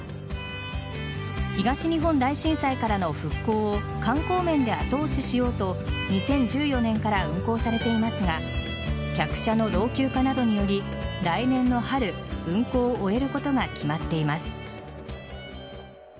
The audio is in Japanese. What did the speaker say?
東日本大震災からの復興を観光面で後押ししようと２０１４年から運行されていますが客車の老朽化などにより来年の春運行を終えることが決まっています。